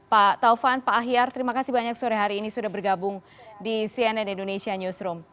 pak taufan pak ahyar terima kasih banyak sore hari ini sudah bergabung di cnn indonesia newsroom